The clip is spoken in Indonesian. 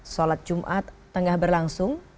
solat jumat tengah berlangsung